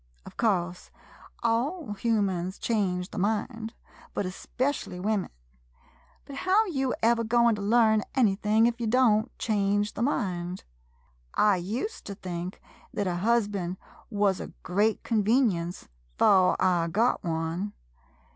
Of course, all humans change the mind, but specially women — but how you ever goin' to learn anything if ye don't change the mind ? I ust to think thet a husband wuz a great convenience — 'fore I got one.